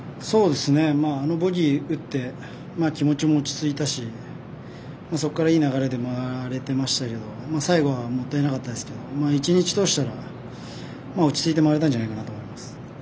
あのボギーを打って気持ちも落ち着いたしそこからいい流れで回れてましたけど最後、もったいなかったですが１日通したら落ち着いて回れたんじゃないかと思います。